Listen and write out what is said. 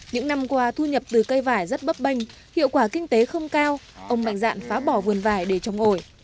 những năm qua thu nhập từ cây vải rất bấp bênh hiệu quả kinh tế không cao ông mạnh dạn phá bỏ vườn vải để trồng ổi